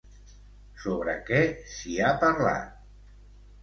Sobre què s'hi ha parlat?